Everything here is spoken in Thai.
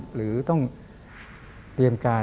หรือต้องเตรียมการ